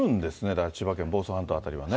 だから千葉県房総半島辺りはね。